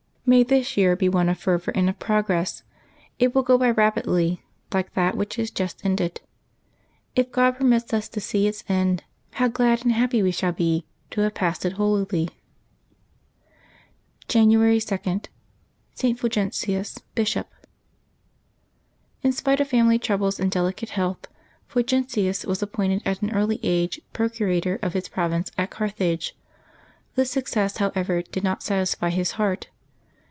May this year be one of fervor and of prog ress! It will go by rapidly, like that which has just ended. If God permits ns to see its end, how glad and happy we shall be to have passed it holily ! January 2. ST. FULGENTIUS, Bishop. ^T^JT spite of family troubles and delicate health, Fulgen Jk tins was appointed at an early age procurator of his province at Carthage. This success, however, did not satisfy his heart.